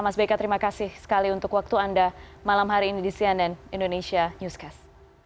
mas beka terima kasih sekali untuk waktu anda malam hari ini di cnn indonesia newscast